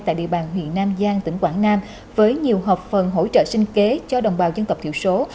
tại địa bàn huyện nam giang tỉnh quảng nam với nhiều hợp phần hỗ trợ sinh kế cho đồng bào dân tộc thiểu số